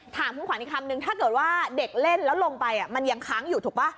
ถามคุณขวัญอีกคำนึงถ้าเกิดว่าเด็กเล่นแล้วลงไปมันยังค้างอยู่ถูกป่ะ